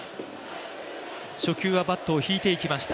初球はバットを引いてきました。